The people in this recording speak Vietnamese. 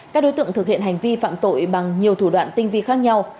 các đối tượng thực hiện hành vi phạm tội bằng nhiều thủ đoạn tinh vi khác nhau